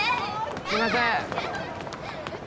すいませんえっ？